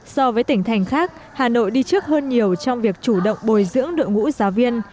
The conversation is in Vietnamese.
so với tỉnh thành khác hà nội đi trước hơn nhiều trong việc chủ động bồi dưỡng đội ngũ giáo viên